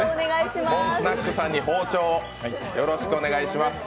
モンスナックさんに包丁をよろしくお願いします。